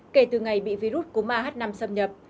kể từ ngày bị virus cúm ah năm xâm nhập